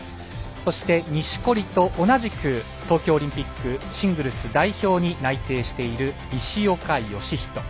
そして、錦織と同じく東京オリンピック男子シングルスに内定している西岡良仁。